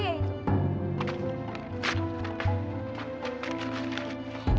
sinta udah gak butuhinya lagi